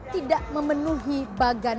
tidak memenuhi bagan